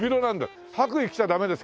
「白衣着ちゃダメですか？」